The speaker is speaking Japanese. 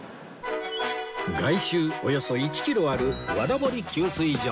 外周およそ１キロある和田堀給水所